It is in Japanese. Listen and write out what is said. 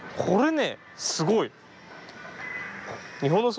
これねすごい。